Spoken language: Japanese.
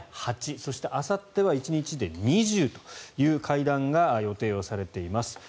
そしてあさっては１日で２０という会談が予定されています。